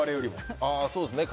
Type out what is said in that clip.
あ、そうですね。